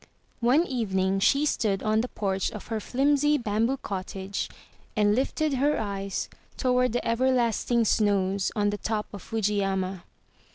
One evening she stood on the porch of her flimsy bamboo cottage and lifted her eyes toward the everlasting snows on the top of Fujiyama.